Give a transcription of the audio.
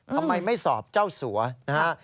ทำไมไม่สอบเจ้าสัวนะฮะ